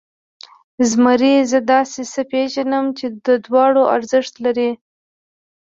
زمري، زه داسې څه پېژنم چې د دواړو ارزښت لري.